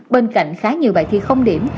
bên cạnh khá nhiều bài thi không điểm